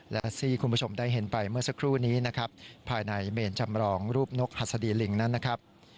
และที่คุณผู้ชมได้เห็นไปเมื่อสักครู่นี้นะครับภายในเมนจำรองรูปนกหัสดีลิงนั้นนะครับ